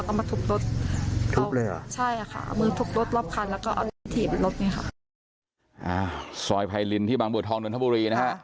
ซอยไพรินที่บางบัวทองนนทบุรีนะฮะ